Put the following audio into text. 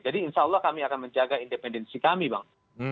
jadi insya allah kami akan menjaga independensi kami bang